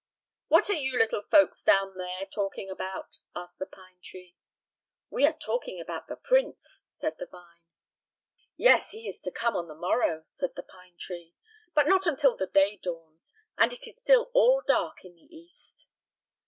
"What are you little folks down there talking about?" asked the pine tree. "We are talking about the prince," said the vine. "Yes, he is to come on the morrow," said the pine tree, "but not until the day dawns, and it is still all dark in the east."